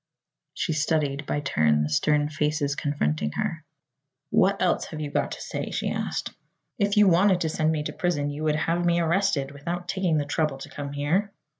She studied by turn the stern faces confronting her. "What else have you got to say?" she asked. "If you wanted to send me to prison you would have me arrested, without taking the trouble to come here."